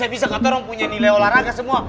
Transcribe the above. bisa dua kata orang punya nilai olahraga semua